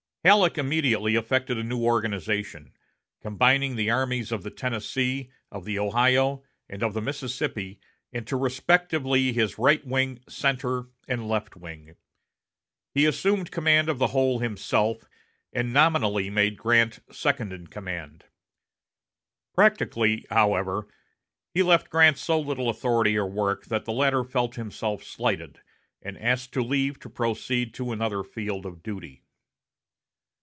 Halleck immediately effected a new organization, combining the armies of the Tennessee, of the Ohio, and of the Mississippi into respectively his right wing, center, and left wing. He assumed command of the whole himself, and nominally made Grant second in command. Practically, however, he left Grant so little authority or work that the latter felt himself slighted, and asked leave to proceed to another field of duty.